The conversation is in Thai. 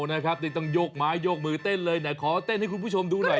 เด็กต่างหยอกม้ายโยกมือเต้นเลยนายขอเต้นให้คุณผู้ชมดูหน่อย